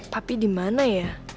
tapi dimana ya